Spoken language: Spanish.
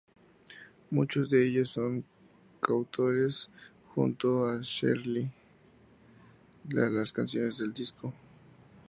Muchos de ellos son coautores junto a Sheryl de las canciones del disco.